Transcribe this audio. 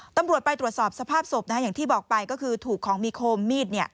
ตำรวจไปตรวจสอบสภาพศพอย่างที่บอกไปก็คือถูกของมีคมมีด